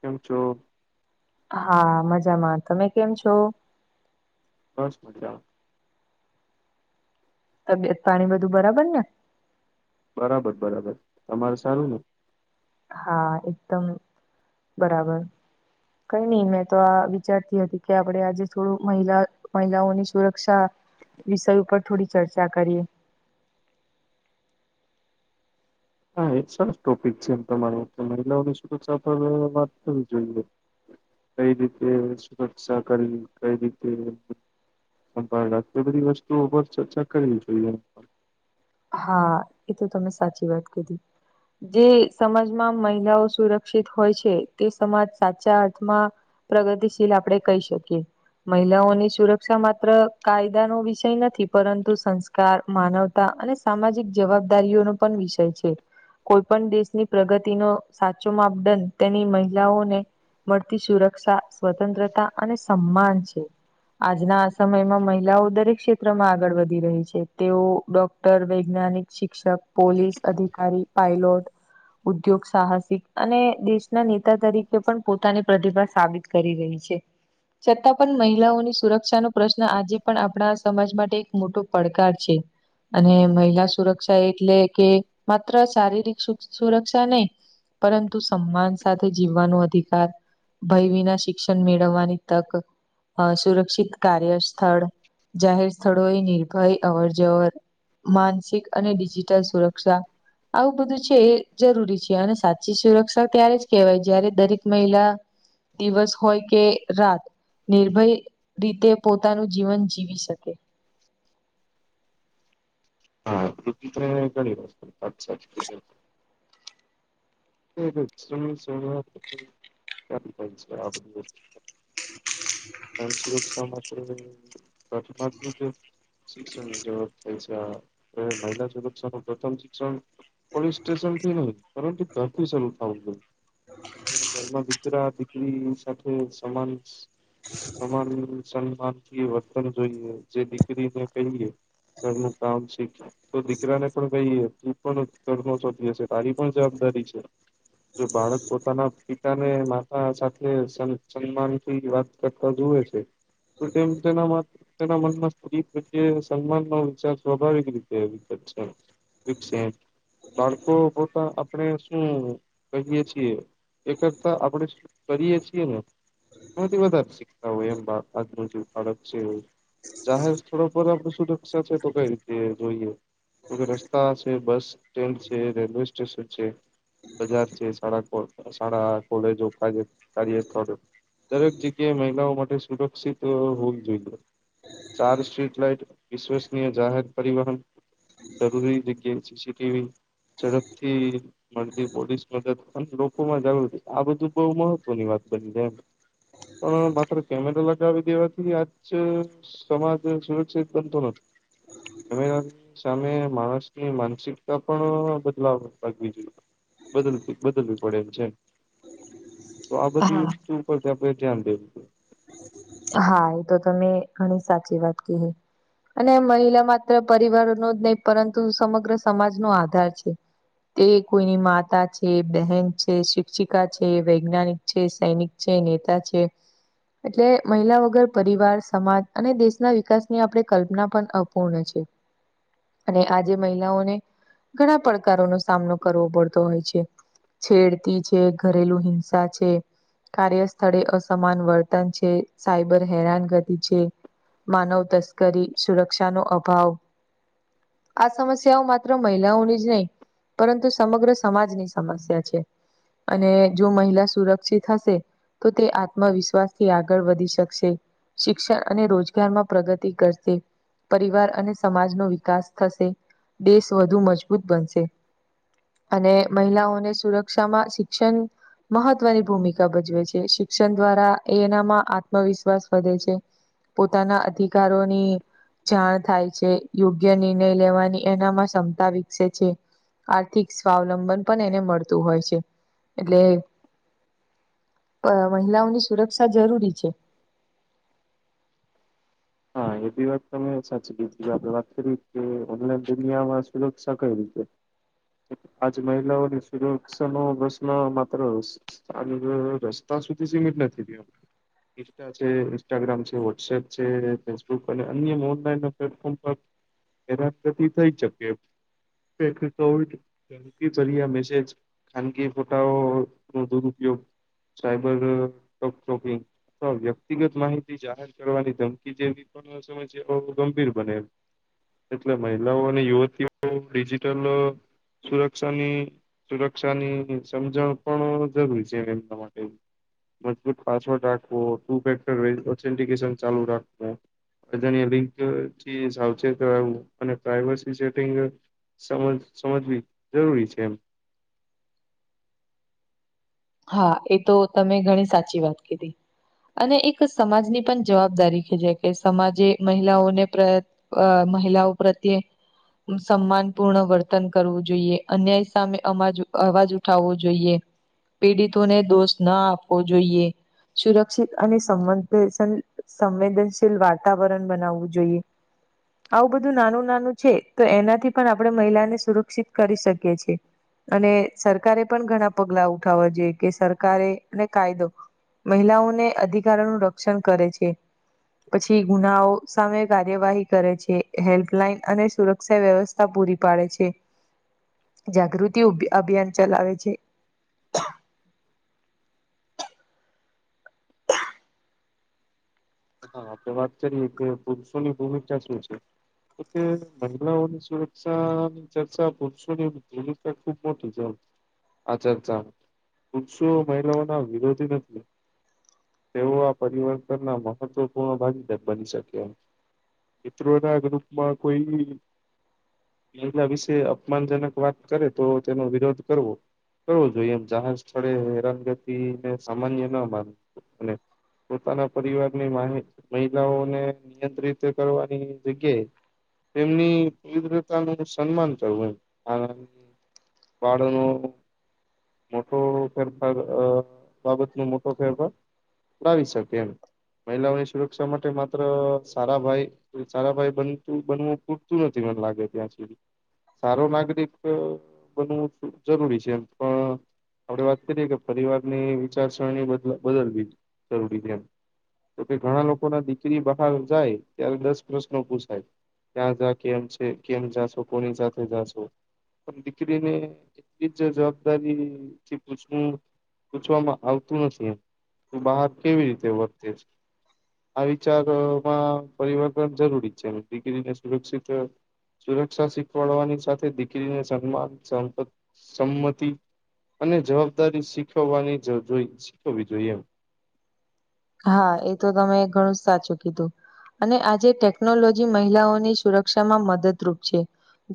કેમ છો. હા મજામાં તમે કેમ છો. બસ મજામાં. તબિયત પાણી બધું બરાબર ને? બરાબર બરાબર તમારે સારું ને. હા એકદમ બરાબર. કઈ નહી મેં તો આ વિચારતી હતી કે આપડે આજે થોડું મહિલા મહિલાઓની સુરક્ષા વિષય ઉપર થોડી ચર્ચા કરીએ. હા એ સરસ ટોપિક છે એમ તમારી મહિલાઓની શું તો વાત કરવી જોઈએ. કઈ રીતે સુરક્ષા કરીવી કઈ રીતે સંભા રા બધી વસ્તુઓ પર ચર્ચા કરવી જોઈએ એમ. હા એ તો તમે સાચી વાત કીધી. જે સમાજમાં મહિલાઓ સુરક્ષિત હોય છે તે સમાજ સાચા અર્થમાં પ્રગતિશીલ આપણે કહી શકીએ. મહિલાઓની સુરક્ષા માત્ર કાયદાનોો વિષય નથી પરંતુ સંસ્કાર માનવતા અને સામાજિક જવાબદારીઓનો પણ વિષય છે. કોઈ પણ દેશની પ્રગતિનો સાચો માપદંડ તેની મહિલાને મળતી સુરક્ષા સ્વતંત્રતા અને સમાન છે. આજના આ સમયમાં મહિલાઓ દરેક ક્ષેત્રમાં આગળ વધી રહી છે તેઓ ડોક ર વૈજ્ઞાનિક શિક્ષક પોલીસ અધિકારી પાયલોટ ઉદ્યોગ સાહસિક અને દેશના નેતા તરીકે પણ પોતાની પ્રતિભા સાબિત કરી રાય છે. છતાં પણ મહિલાઓની સુરક્ષા નો પ્રશ્ન આજે પણ આપણા સમાજ માટે એક મોટો પડકાર છે. અને મહિલા સુરક્ષા એટલે કે માત્ર શારીરિક સુરક્ષા નહી પરંતુ સમ્માન સાથે જીવવાનું અધિકાર ભય વિના શિક્ષણ મેળવવાની તક. અ સુરક્ષિત કાર્ય સ્થળ જાહેર સ્થળોએ નિર્ભય અવર જવર. માનસિક અને ડિજિટલ સુરક્ષા. આવું બધું છે એ જરૂરી છે અને સાચી સુરક્ષા ત્યારે જ કેહેવાય જય્યારે દરેક મહિલા દિવસ હોય કે રાત નિર્ભય રીતે પોતાનું જીવન જીવી શકે. હા ઘણી વસ્ સા સાચ એ શ શ થાય છે આ બધી વસ્તુ [inaudible] સુરક્ષા માટેત્ર જ શિક્ષણનીત થાય છે મહિલા સુરક્ષા નું પ્રથમ શિક્ષણ પોલીસ સ્ટેશન થી નહ પરંતુ સરફ શ થાવું જોું ઘરમાં દીકરા દીકરી સાથે સમાન સન્માનથી વર્તન જે દીકરીને કહીએ ઘર નું કામ શીખ તો દીકરાને પણ ભઈ ટ પણ કર છોધ હશે તારી પણ જવાબદારી છે. જો બાળક પોતાના પિતાને માતા સાથે સન્માન થી વાત કરતા જુવે છે. પરંતુ તને માટ તેના મનમાં સ્ત્રી પ્રત્યે સન્માનનોો વિચાર સ્વાભાવિક રીતે વિગત છે. વિકસે બાળકો પોતા આપણે કરીએ છીએ એકતા આપણે કરીએ છીએ ને એમાંથી વધારે શીખતા હોય એમ આજનુંડક છે. જાહેર સ્થળો પર આપણે સુરક્ષા છે તો કઈ રીતે જોઈએ રસ્તા છે બસ સ્ટેન્ડ છે રેલવે સ્ટેશન છે. [unintelligible] શાળા કોલેજો કાર્યસ્થળ. દરેક જગ્યાએ મહિલાઓ માટે સુરક્ષિત હોવી જોઈએ. ચાર સ્ટ્રીટ લાઈટ વિશ્વસનીય જાહેર પરિવહન જરૂરી જગ્યાએ સીસીટીવી ઝડપથી મળતી પોલીસ મદદ અને લોકોમાં જાગૃતિ આ બધું બહ મહત્વની વાત બની જાય એમ. પણ માત્ર કેમેરા લગાવી દેવાથી આજ સમાજ સુરક્ષિત બનતો નથી. અને સામે માણસની માનસિકતા પણ બદલાવ લાવવી જોઈએ. બદલતી બદલવી પડેલ છે તો આ બધી હા. વસ્તુ [unintelligible] હા એ તો તમે ઘણી સાચી વાત કિધી. અને મહિલા માત્ર પરિવારનો જ નહી પરંતુ સમગ્ર સમાજનો આધાર છે. તે કોઈની માતા છે, બહેન છે, શિક્ષિકા છે, વૈજ્ઞાનિક છે, સૈનિક છે, નેતા છે. એટલે મહિલા વગર પરિવાર, સમાજ અને દેશના વિકાસની આપણે કલ્પના પણ અપૂર્ણ છે. અને આજે મહિલાઓને ઘણા પડકારોનો સામનો કરવો પડતો હોય છે. છેડતી છે, ઘરેલુ હિંસા છે. કાર્ય સ્થળે અસમાન વર્તન છે. સાયબર હેરાન ગતિ છે, માનવ તસ્કરી, સુરક્ષાનો અભાવ. આ સમસ્યાઓ માત્ર મહિલાઓની જ નઈ પરંતુ સમગ્ર સમાજની સમસ્યા છે. અને જો મહિલા સુરક્ષિત હશે તો તે આત્મવિશ્વાસથી આગળ વધી શકશે. શિક્ષણ અને રોજગારમાં પ્રગતિ કરશે. પરિવાર અને સમાજનો વિકાસ થશે, દેશ વધુ મજબૂત બનશે. અને મહિલાઓને સુરક્ષામાં શિક્ષણ મહત્વની ભૂમિકા ભજવે છે. શિક્ષણ દ્વારા એનામાં આત્મવિશ્વાસ વધે છે. પોતાના અધિકારોની જાણ થાય છે, યોગ્ય નિર્ણય લેવાની એનામાં ક્ષમતા વિકસે છે. આર્થિક સ્વાવલંબન પણ એને મળતું હોય છે. એટલે મહિલાઓની સુરક્ષા જરૂરી છે. હા એબી વાત તમે સાચી કીધી. જો આપડે વાત કરી કે ઓનલાઈન દુનિયામાં સુરક્ષા કઈ રીતે? આજ મહિલાઓની સુરક્ષાનો પ્રશ્ન માત્ર [unintelligible] રસ્તા સુધી સીમિત નથી થયો. ઇસ્ટા છે, ઇન્સ્ટાગ્રામ છે, વોટ્સએપ છે. ફેસબુક અને અન્ય ઓનલાઇન પ્લેટફોર્મ પર હેરાનગતિ થઈ શકે એમ. [unintelligible] [unintelligible] મેસેજ ખાનગી ફોટાઓનો દુરુપયોગ. સાયબરો [unintelligible] અથવા વ્યક્તિગત માહિતી જાહેર કરવાની ધમ કી જેવી પણ સમસ્યાઓ ગંભીર બને એમ. એટલે મહિલાઓ અને યુવતીઓ ડિજિટલ સુરક્ષાની સુરક્ષાની સમજણ પણ જરૂરી છે એમના માટે. મજબૂત પાસવર્ડ રાખવો, [unintelligible] ચાલુ રાખ વો અજાણ્યા લીંકથી સાવચેત રહેવું. અને પ્રાઈવશી સેટિંગ સમજ સમજવી જરૂરી છે એમ. હા એતો તમે ઘણી સાચી વાત કીધી. અને એક સમાજની પણ જવાબદારી ખીલે કે સમાજે મહિલાઓને પ્ર અ મહિલાઓ પ્રત્યે સમ્માનપૂર્ણ વર્તન કરવું જોઈએ, અન્યાય સામે અમાજ અવાજ ઉઠાવવો જોઈએ. પીડિતોને દોષ ના આપવો જોઈએ. સુરક્ષિત અને [inaudible] સંવેદનશીલ વાતાવરણ બનાવવું જોઈએ. આવું બધું નાનું નાનું છે તો એનાથી પણ આપણે મહિલાને સુરક્ષિત કરી શકીએ છીએ. અને સરકારે પણ ઘણા પગલા ઉઠાવવા જોઈએ. કે સરકારે અને કાયદો મહિલાઓને અધિકારોનું રક્ષણ કરે છે. પછી ગુનાઓ સામે કાર્યવાહી કરે છે, હેલ્પલાઈન અને સુરક્ષા વ્યવ પૂરી પાડે છે. જાગૃતિ અભ અભિયાન ચલાવે છે. [unintelligible] હા આપડે વાત કરીએ કે પુરુષોની ભૂમિકતા શું છે તો મહિલાઓની સુરક્ષાની ચર્ચા પુરુષોની ભૂમિકતા ખુબ મોટી છે. અચ્છા ચા પુરુષો મહિલાઓ ના વિરોધી નથી તેવું આ પરિવર્તનના મ મહત્વપૂર્ણ ભાગ દ બની શકે મિત્રો ના ગ્રુપમાં કોઈ એના વિશે અપમાનજનક વાત કરે તો તેનો વિરોધ કરવો કરવો જોઈએ એમ જહાજ સ્થળે હેરાનગતિને સામાન્ય ન માન અને પોતાના પરિવાર મહિલાઓને નિયંત્રિત કરવાની જગ્યાએ તેમની તીવ્રતાનું સન્માન કરવું એમ પાળનું મોટો ફેરફાર અ બાબતનો મોટો ફેરફાર કરાવી શકે એમ મહિલાઓની સુરક્ષા માટે માત્ર સારા ભાઈ સારાભાઈ બનતું બનવું પૂરતું નથી મને લાગે ત્યાં સુધી સારો નાગરિક બનવું જરૂરી છે એમ પણ આપડે વાત કરીએ કે પરિવારની વિચારસરણી બદલવી જરૂરી છે એમ તો કે ઘણા લોકો ના દીકરી બહાર જાય ત્યારે દસ પ્રશ્નો પૂછાય ત્યાં જા કેમ છે કેમ જાશો કોની સાથે જાશો પણ દીકરીને એટલી જ જવાબદારી થી પૂછવું પૂછવામાં આવતું નથી એમ તું બહાર કેવી રીતે વર્તે છે. આ વિચારમાં પરિવર્તન જરૂરી છે દીકરીને સુરક્ષિત સુરક્ષા શીખવાડવાની સાથે દીકરીને સન્માન સંમતિ અને જવાબદારી શીખવવાની જરૂર જ હોવી જોઈએ એમ હા એ તો તમે ઘણું જ સાચું કીધું અને આજે ટેકનોલોજી મહિલાઓની સુરક્ષામાં મદદરૂપ છે.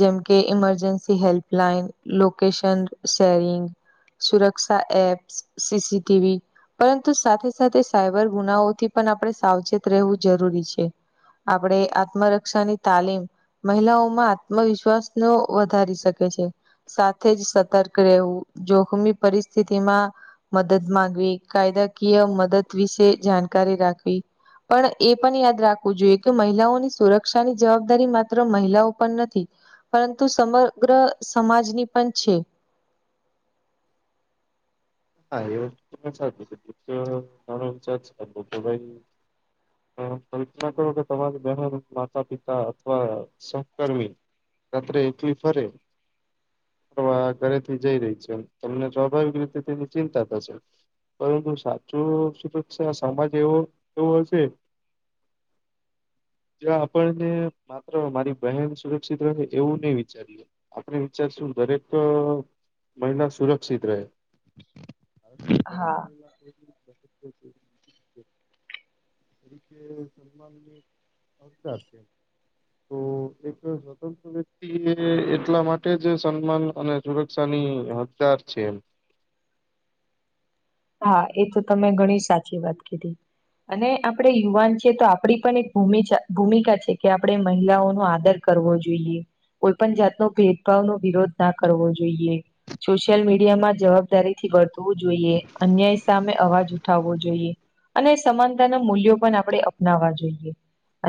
જેમકે ઇમરજન્સી હેલ્પલાઇન લોકેશન શેરિંગ સુરક્ષા એપ્સ, સીસીટીવી પરંતુ સાથે સાથે સાયબર ગુનાઓથી પણ આપણે સાવચેત રહેવું જરૂરી છે. આપણેે આત્મરક્ષાની તાલીમ મહિલાઓમાં આત્મવિશ્વાસનો વધારી શકે છે. સાથે જ સતર્ક રહેવું જોખમી પરિસ્થિતિમાં મદદ માંગવી કાયદાકીય મદદ વિશે જાણકારી રાખવી પણ એ પણ યાદ રાખવું જોઈએ કે મહિલાઓની સુરક્ષાની જવાબદારી માત્ર મહિલાઓ પર નથી પરંતુ સમગ્ર સમાજની પણ છે. [unintelligible] કલ્પના કરો કે તમારી બહેન માતા પિતા અથવા સહકર્મી રાત્રે એકલી ફરે ઘરેથી જઈ રહી છે તમને સ્વાભાવિક રીતે તેની ચિંતા થશે પરંતુ સાચું સુરક્ષા સમાજ એવો એવો હશે જ્યા આપણને માત્ર મારી બહેન સુરક્ષિત રહે એવું નહી વિચાર્યું આપણે વિચારશું દરેક મહિના સુરક્ષિત રહે [unintelligible] હા [inaudible] તરીકે સલમાન ની [unintelligible] છે. [inaudible] તો એક સ્વતંત્ર વ્યક્તિ એ એટલા માટે જ સન્માન અને સુરક્ષાની હત ચાર છે એમ હા એ તો તમે ઘણી સાચી વાત કીધી અને આપણે યુવાન છીએ તો આપડી પણ એક ભૂમિચા ભૂમિકા છે કે આપણે મહિલાઓનો આદર કરવો જોઈએ. કોઈ પણ જાતનો ભેદભાવ નો વિરોધ ના કરવો જોઈએ. સોશિયલ મીડિયામાં જવાબદારીથી વર્તવું જોઈએ અન્યાય સામે મે અવાજ ઉઠાવવો જોઈએ અને સમાનતાના મૂલ્યો પન આપણે અપનાવવા જોઈએ.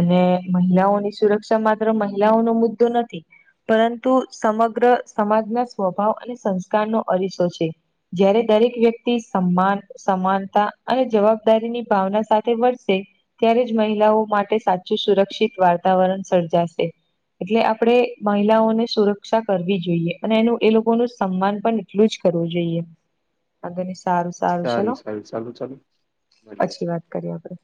અને મહિલાઓની સુરક્ષા માત્ર મહિલાઓનો મુદ્દો નથી પરંતુ સમગ્ર સમાજના સ્વભાવ અને સંસ્કારનો અરીસો છે. જ્યારે દરેક વ્યક્તિ સમાન સમાનતા અને જવાબદારીની ભાવના સાથે વર્તે ત્યારે જ મહિલાઓ માટે સાચું સુરક્ષિત વાતાવરણ સર્જાસે. એટલે આપણેે મહિલાઓને સુરક્ષા કરવી જોઈએ. અને એનું એ લોકો ને સન્માન પણ એટલું જ કરવું જોઈએ. આગળ સારું સારું સારી ચલો. સારી ચાલુ ચાલુ મળીએ પછી વાત કરીએ આપડે.